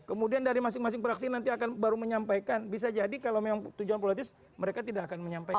kemudian dari masing masing fraksi nanti akan baru menyampaikan bisa jadi kalau memang tujuan politis mereka tidak akan menyampaikan